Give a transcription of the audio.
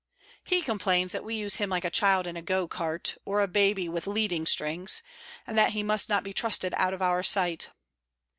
He complains that we use him like a child in a go cart, or a baby with leading strings, and that he must not be trusted out of our sight.